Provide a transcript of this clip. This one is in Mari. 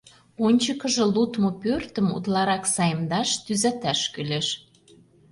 Ончыкыжо лудмо пӧртым утларак саемдаш, тӱзаташ кӱлеш.